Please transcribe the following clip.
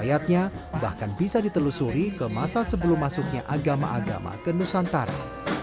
ayatnya bahkan bisa ditelusuri ke masa sebelum masuknya agama agama ke nusantara